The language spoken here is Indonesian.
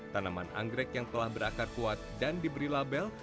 tanaman anggrek yang telah berakar kuat dan diberi label